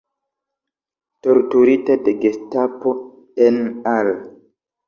Torturita de gestapo en Al.